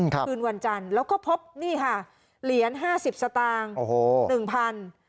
คืนวันจันทร์แล้วก็พบนี่ค่ะเหรียญ๕๐สตางค์๑๐๐๐บาท